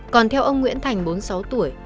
còn theo ông nguyễn thành bốn mươi sáu tuổi